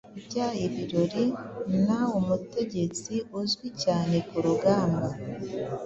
Bya ibirori na umutegetsi uzwi cyane kurugamba